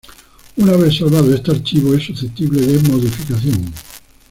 Una vez salvado este archivo es susceptible de modificación.